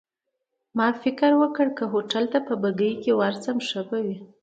ما فکر وکړ، چي که هوټل ته په بګۍ کي ورشم ښه به وي.